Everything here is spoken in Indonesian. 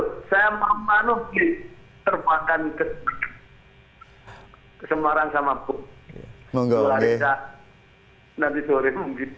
hai saya memanuhi terbakan ke semarang sama buk nunggu nunggu nanti sore